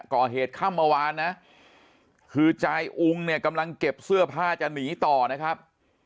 ก่อเหตุค่ำเมื่อวานนะคือจายอุ้งเนี่ยกำลังเก็บเสื้อผ้าจะหนีต่อนะครับ